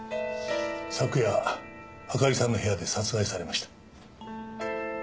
昨夜あかりさんの部屋で殺害されました。